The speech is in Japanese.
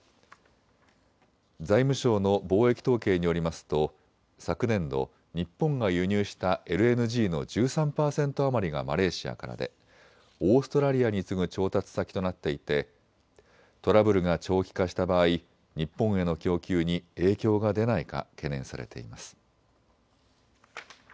財務省の貿易統計によりますと昨年度、日本が輸入したＬＮＧの１３％余りがマレーシアからでオーストラリアに次ぐ調達先となっていてトラブルが長期化した場合、日本への供給に影響が出ないか懸念されています。